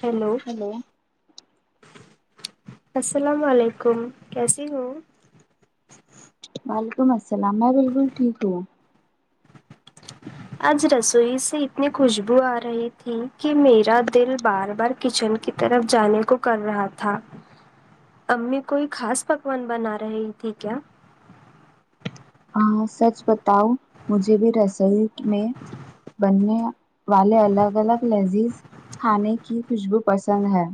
hello السلام علیکم کیسی ہو وعلیکم السلام میں بالکل ٹھیک ہوں آج رسوئی سے اتنی خوشبو آ رہی تھی کہ میرا دل بار بار کچن کی طرف جانے کو کر رہا تھا امی کوئی خاص پکوان بنا رہی تھی کیا ہاں سچ بتاؤ مجھے بھی ریزلٹ میں بننے والے الگ الگ لیزیز کھانے کی خوشبو پسند ہے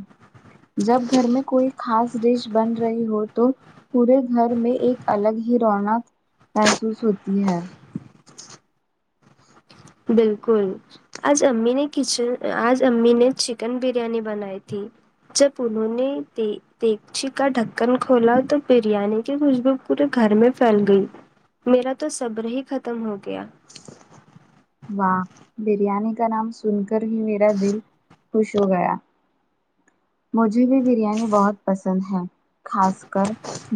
جب گھر میں کوئی خاص ڈش بن رہی ہو تو پورے گھر میں ایک الگ ہی رونق محسوس ہوتی ہے بالکل آج امی نے کچن آج امی نے چکن بریانی بنائی تھی جب انہوں نے دی دیگچی کا ڈھکن کھولا تو بریانی کی خوشبو پورے گھر میں پھیل گئی میرا تو صبر ہی ختم ہو گیا واہ بریانی کا نام سن کر ہی میرا دل خوش ہو گیا مجھے بھی بریانی بہت پسند ہے خاص کر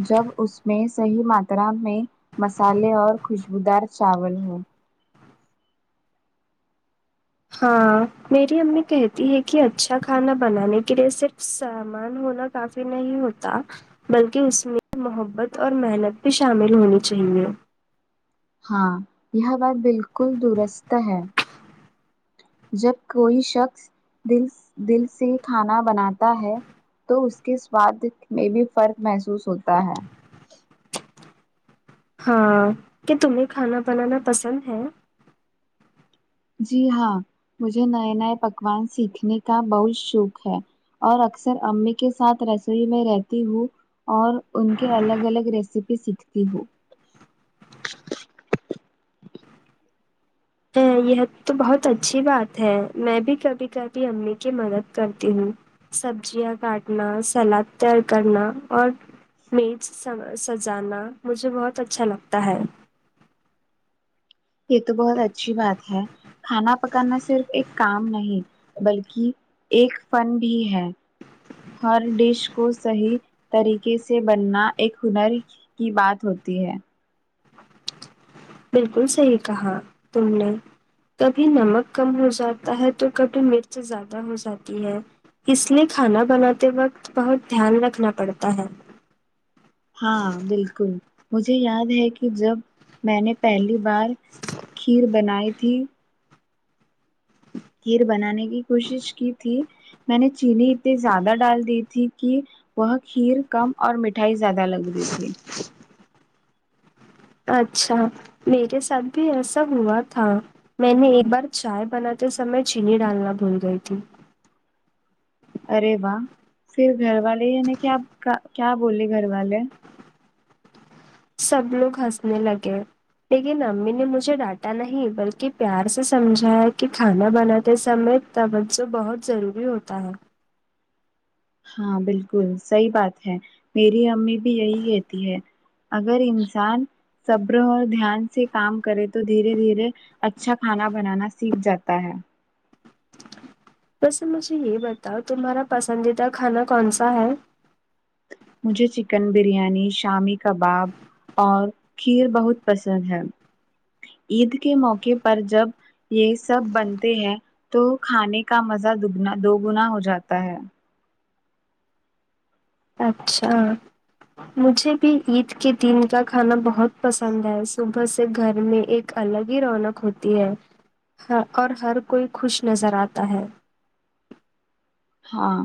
جب اس میں صحیح ماترا میں مسالے اور خوشبودار چاول ہو ہاں میری امی کہتی ہے کہ اچھا کھانا بنانے کے لیے صرف سامان ہونا کافی نہیں ہوتا بلکہ اس میں محبت اور محنت بھی شامل ہونی چاہیے ہاں یہ بات بالکل درست ہے جب کوئی شخص دل دل سے کھانا بناتا ہے تو اس کے سواد میں بھی فرق محسوس ہوتا ہے ہاں کیا تمہیں کھانا بنانا پسند ہے جی ہاں مجھے نئے نئے پکوان سیکھنے کا بہت شوق ہے اور اکثر امی کے ساتھ رسوئی میں رہتی ہوں اور ان کے الگ الگ ریسیپی سیکھتی ہوں تو یہ تو بہت اچھی بات ہے میں بھی کبھی کبھی امی کی مدد کرتی ہوں سبزیاں کاٹنا سلاد تیار کرنا اور میز سجانا مجھے بہت اچھا لگتا ہے یہ تو بہت اچھی بات ہے کھانا پکانا صرف ایک کام نہیں بلکہ ایک فن بھی ہے ہر ڈش کو صحیح طریقے سے بننا ایک ہنر کی بات ہوتی ہے بالکل صحیح کہا تم نے کبھی نمک کم ہو جاتا ہے تو کبھی مرچ زیادہ ہو جاتی ہے اس لیے کھانا بناتے وقت بہت دھیان رکھنا پڑتا ہے ہاں بالکل مجھے یاد ہے کہ جب میں نے پہلی بار کھیر بنائی تھی کھیر بنانے کی کوشش کی تھی میں نے چینی اتنی زیادہ ڈال دی تھی کہ وہ کھیر کم اور مٹھائی زیادہ لگ رہی تھی اچھا میرے ساتھ بھی ایسا ہوا تھا میں نے ایک بار چائے بناتے سمے چینی ڈالنا بھول گئی تھی ارے واہ پھر گھر والے یعنی کیا کیا بولی گھر والے سب لوگ ہنسنے لگے لیکن امی نے مجھے ڈانٹا نہیں بلکہ پیار سے سمجھایا کہ کھانا بناتے سمے توجہ بہت ضروری ہوتا ہے ہاں بالکل صحیح بات ہے میری امی بھی یہی کہتی ہے اگر انسان صبر اور دھیان سے کام کرے تو دھیرے دھیرے اچھا کھانا بنانا سیکھ جاتا ہے ویسے تم مجھے یہ بتاؤ تمہارا پسندیدہ کھانا کون سا ہے مجھے چکن بریانی شامی کباب اور کھیر بہت پسند ہے عید کے موقع پر جب یہ سب بنتے ہیں تو کھانے کا مزہ دگنا دو گنا ہو جاتا ہے اچھا مجھے بھی عید کے دن کا کھانا بہت پسند ہے صبح سے گھر میں ایک الگ ہی رونق ہوتی ہے ہ اور ہر کوئی خوش نظر آتا ہے ہاں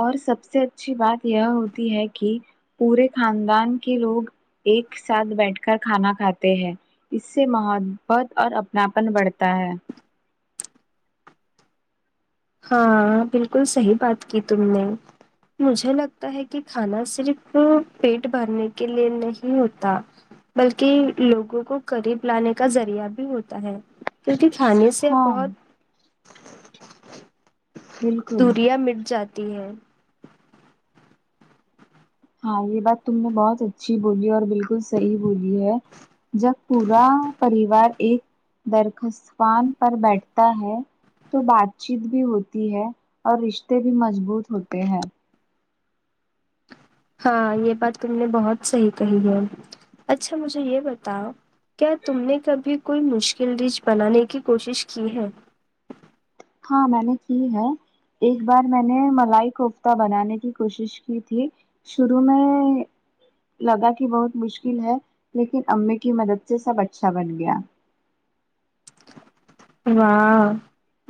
اور سب سے اچھی بات یہ ہوتی ہے کہ پورے خاندان کے لوگ ایک ساتھ بیٹھ کر کھانا کھاتے ہیں اس سے محبت اور اپناپن بڑھتا ہے ہاں بالکل صحیح بات کی تم نے مجھے لگتا ہے کہ کھانا صرف پیٹ بھرنے کے لیے نہیں ہوتا بلکہ لوگوں کو قریب لانے کا ذریعہ بھی ہوتا ہے کیونکہ کھانے سے ہاں بہت بالکل دوریاں مٹ جاتی ہیں ہاں یہ بات تم نے بہت اچھی بولی اور بالکل صحیح بولی ہے جب پورا پریوار ایک درخستان پر بیٹھتا ہے تو بات چیت بھی ہوتی ہے اور رشتے بھی مضبوط ہوتے ہیں ہاں یہ بات تم نے بہت صحیح کہی ہے اچھا مجھے یہ بتاؤ کیا تم نے کبھی کوئی مشکل ڈش بنانے کی کوشش کی ہے ہاں میں نے کی ہے ایک بار میں نے ملائی کوفتہ بنانے کی کوشش کی تھی شروع میں لگا کہ بہت مشکل ہے لیکن امی کی مدد سے سب اچھا بن گیا واہ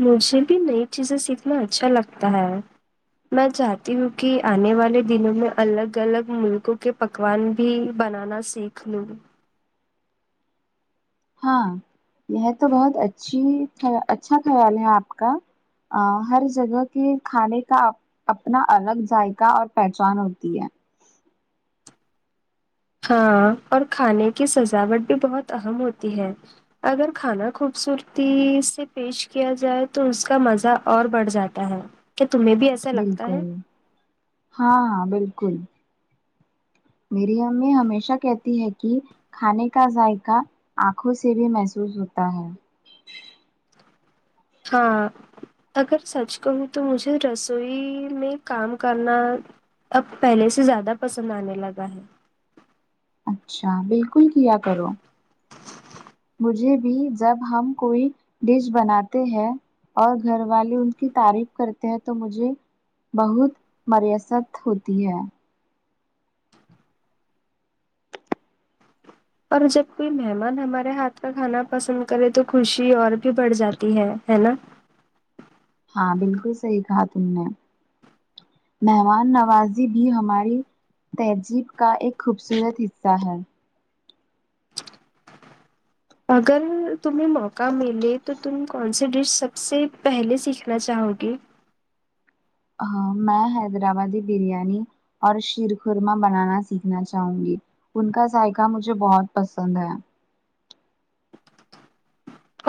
مجھے بھی نئی چیزیں سیکھنا اچھا لگتا ہے میں چاہتی ہوں کہ آنے والے دنوں میں الگ الگ ملکوں کے پکوان بھی بنانا سیکھ لوں ہاں یہ تو بہت اچھی اچھا خیال ہے آپ کا ہر جگہ کے کھانے کا اپنا الگ ذائقہ اور پہچان ہوتی ہے ہاں اور کھانے کی سجاوٹ بھی بہت اہم ہوتی ہے اگر کھانا خوبصورتی سے پیش کیا جائے تو اس کا مزہ اور بڑھ جاتا ہے کہ تمہیں بھی ای بالکل ہاں بالکل میری امی ہمیشہ کہتی ہے کہ کھانے کا ذائقہ آنکھوں سے بھی محسوس ہوتا ہے ہاں اگر سچ کہوں تو مجھے رسوئی میں کام کرنا اب پہلے سے زیادہ پسند آنے لگا ہے اچھا بالکل کیا کرو مجھے بھی جب ہم کوئی ڈش بناتے ہیں اور گھر والے ان کی تعریف کرتے ہیں تو مجھے بہت مریست ہوتی ہے اور جب کوئی مہمان ہمارے ہاتھ کا کھانا پسند کرے تو خوشی اور بھی بڑھ جاتی ہے ہے نا ہاں بالکل صحیح کہا تم نے مہمان نوازی بھی ہماری تہذیب کا ایک خوبصورت حصہ ہے اگر تمہیں موقع ملے تو تم کون سی ڈش سب سے پہلے سیکھنا چاہو گی ہاو میں حیدرآبادی بریانی اور شیرخرما بنانا سیکھنا چاہوں گی ان کا ذائقہ مجھے بہت پسند ہے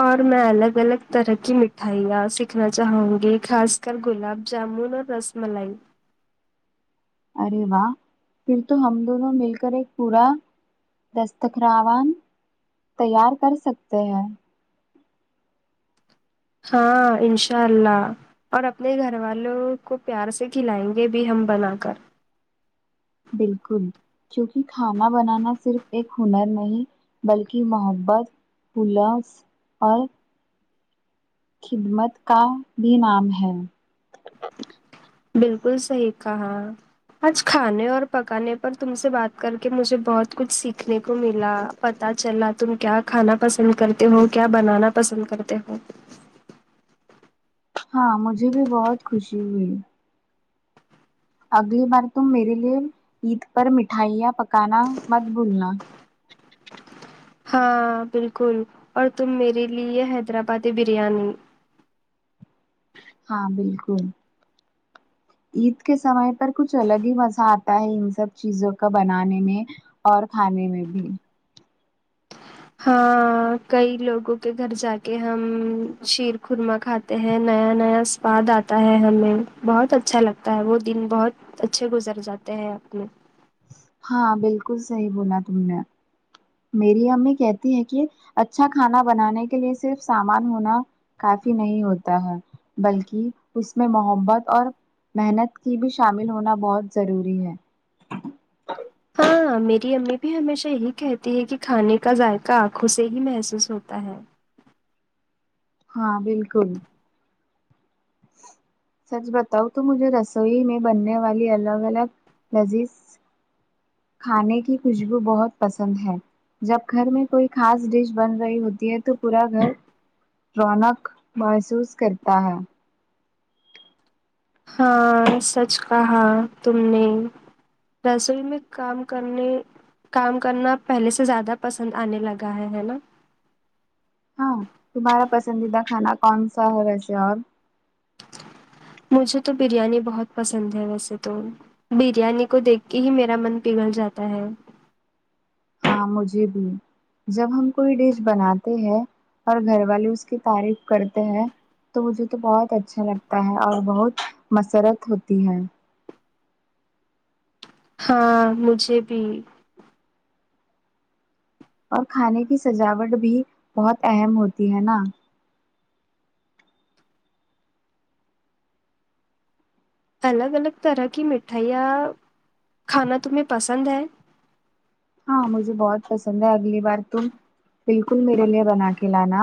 اور میں الگ الگ طرح کی مٹھائیاں سیکھنا چاہوں گی خاص کر گلاب جامن اور رس ملائی ارے واہ پھر تو ہم دونوں مل کر ایک پورا دستخروان تیار کر سکتے ہیں ہاں انشاء اللہ اور اپنے گھر والوں کو پیار سے کھلائیں گے بھی ہم بنا کر بالکل کیونکہ کھانا بنانا صرف ایک ہنر نہیں بلکہ محبت [unintelligible] خدمت کا بھی نام ہے بالکل صحیح کہا آج کھانے اور پکانے پر تم سے بات کر کے مجھے بہت کچھ سیکھنے کو ملا پتا چلا تم کیا کھانا پسند کرتے ہو کیا بنانا پسند کرتے ہو ہاں مجھے بھی بہت خوشی ہوئی اگلی بار تم میرے لیے عید پر مٹھائیاں پکانا مت بھولنا ہاں بالکل اور تم میرے لیے حیدرآبادی بریانی ہاں بالکل عید کے سمے پر کچھ الگ ہی مزہ آتا ہے ان سب چیزوں کا بنانے میں اور کھانے میں بھی ہاں ں کئی لوگوں کے گھر جا کے ہم شیر خرما کھاتے تے ہیں نیا نیا سواد آتا ہے ہمیں بہت اچھا لگتا ہے وہ دن بہت اچھے گزر جاتے ہیں اپنے ہاں بالکل صحیح بولا تم نے میری امی کہتی ہے کہ اچھا کھانا بنانے کے لیے صرف سامان ہونا کافی نہیں ہوتا ہے بلکہ اس میں محبت اور محنت کی بھی شامل ہونا بہت ضروری ہے ہاں میری امی بھی ہمیشہ یہی کہتی ہے کہ کھانے کا ذائقہ آنکھوں سے ہی محسوس ہوتا ہے ہاں بالکل سچ بتاؤں تو مجھے رسوئی میں بننے والی الگ الگ لذیذ کھانے کی خوشبو بہت پسند ہے جب گھر میں کوئی خاص ڈش بن رہی ہوتی ہے تو پورا گھر رونق محسوس کرتا ہے ہاں سچ کہا تم نے رسوئی میں کام کرنے کام کرنا پہلے سے زیادہ پسند آنے لگا ہے ہے نا ہاں تمہارا پسندیدہ کھانا کونسا ہے ویسے اور مجھے تو بریانی بہت پسند ہے ویسے تو بریانی کو دیکھ کے ہی میرا من پگل جاتا ہے ہاں مجھے بھی جب ہم کوئی ڈش بناتے ہیں اور گھر والے اس کی تعریف کرتے ہیں تو مجھے تو بہت اچھا لگتا ہے اور بہت مسرت ہوتی ہے ہاں مجھے بھی اور کھانے کی سجاوٹ بھی بہت اہم ہوتی ہے نا الگ الگ طرح کی مٹھائیاں کھانا تمہیں پسند ہے ہاں مجھے بہت پسند ہے اگلی بار تم بالکل میرے لیے بنا کے لانا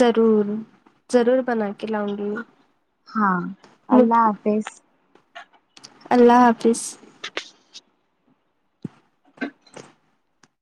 ضرور ضرور بنا کے لاؤں گی ہاں اللہ حافظ اللہ حافظ [inaudible]